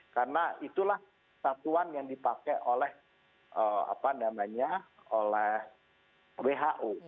karena itulah satuan yang dipakai oleh who